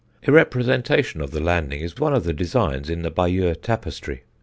A representation of the landing is one of the designs in the Bayeux tapestry.